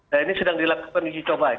nah ini sedang dilakukan uji coba